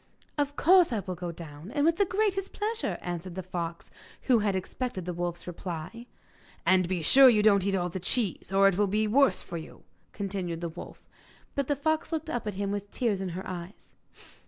'Of course I will go down, with the greatest pleasure,' answered the fox, who had expected the wolf's reply. 'And be sure you don't eat all the cheese, or it will be the worse for you,' continued the wolf. But the fox looked up at him with tears in her eyes.